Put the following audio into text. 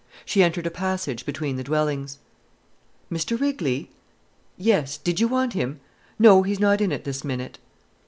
She entered a passage between the dwellings. "Mr Rigley?—Yes! Did you want him? No, he's not in at this minute."